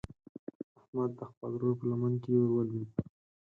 احمد د خپل ورور په لمن کې ور ولوېد.